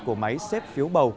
của máy xếp phiếu bầu